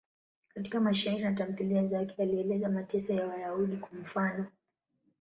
Katika mashairi na tamthiliya zake alieleza mateso ya Wayahudi, kwa mfano.